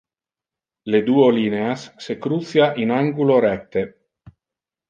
Le duo lineas se crucia in angulo recte.